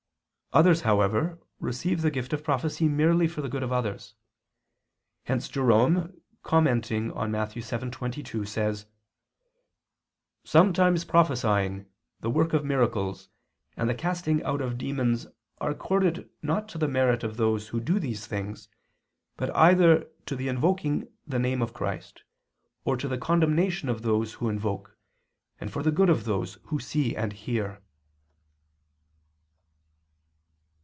Others, however, receive the gift of prophecy merely for the good of others. Hence Jerome commenting on Matt. 7:22, says: "Sometimes prophesying, the working of miracles, and the casting out of demons are accorded not to the merit of those who do these things, but either to the invoking the name of Christ, or to the condemnation of those who invoke, and for the good of those who see and hear."